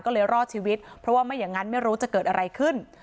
ก็เลยรอดชีวิตเพราะว่าไม่อย่างนั้นไม่รู้จะเกิดอะไรขึ้น